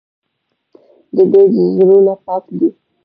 د دوی زړونه پاک دي.